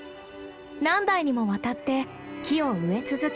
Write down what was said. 何代にもわたって木を植え続け